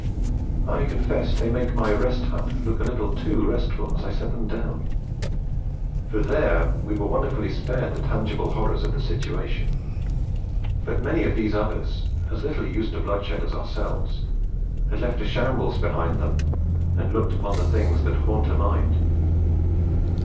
I confess they make my Rest Hut look a little too restful as I set them down; for there we were wonderfully spared the tangible horrors of the situation; but many of these others, as little used to bloodshed as ourselves, had left a shambles behind them, and looked upon the things that haunt a mind.